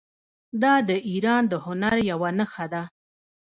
دا د ایران د هنر یوه نښه ده.